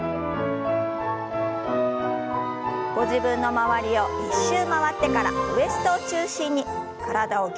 ご自分の周りを１周回ってからウエストを中心に体をぎゅっとねじります。